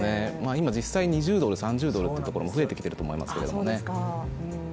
今、実際に２０３０ドルというところも増えてきてると思いますけどね。